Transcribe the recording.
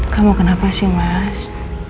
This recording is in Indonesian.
kamu kenapa sih mas